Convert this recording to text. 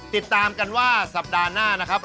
ติดตามกันว่าสัปดาห์หน้านะครับ